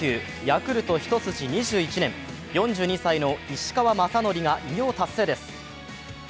ヤクルト一筋２１年４２歳の石川雅規が偉業達成です。